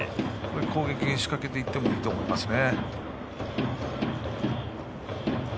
攻撃を仕掛けていってもいいと思いますね。